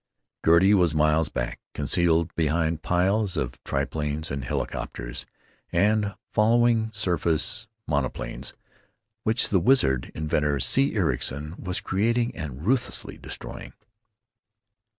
Gertie was miles back, concealed behind piles of triplanes and helicopters and following surface monoplanes which the wizard inventor, C. Ericson, was creating and ruthlessly destroying....